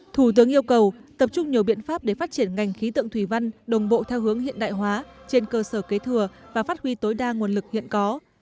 thủ tướng yêu cầu tập trung nhiều biện pháp để phát triển ngành khí tượng thủy văn đồng bộ theo hướng hiện đại hóa trên cơ sở kế thừa và phát huy tối đa nguồn lực hiện có